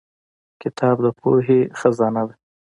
کتاب د پوهې خزانه ده